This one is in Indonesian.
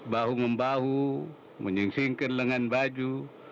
bahu membahu menyingsingkan lengan baju